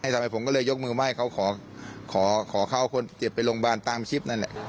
ทำไมผมก็เลยยกมือไหว้เขาขอเขาเอาคนเจ็บไปโรงพยาบาลตามคลิปนั่นแหละ